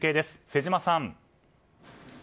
瀬島さん。